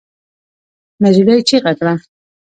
نجلۍ چیغه کړه.